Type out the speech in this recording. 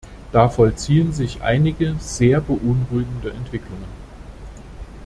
Da vollziehen sich einige sehr beunruhigende Entwicklungen.